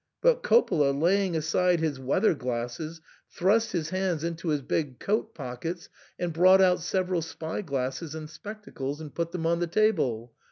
But Coppola, lay ing aside his weather glasses, thrust his hands into his big coat pockets and brought out several spy glasses and spectacles, and put them on the table.